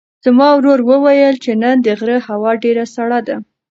زما ورور وویل چې نن د غره هوا ډېره سړه ده.